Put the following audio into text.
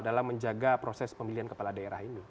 dalam menjaga proses pemilihan kepala daerah ini